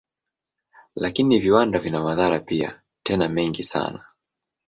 Lakini viwanda vina madhara pia, tena mengi sana.